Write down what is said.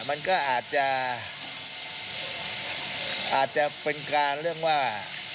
มันก็อาจจะอาจจะเป็นการเรื่องว่า